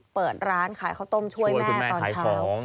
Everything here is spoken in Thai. เปิดร้านขายข้าวต้มช่วยแม่ตอนเช้า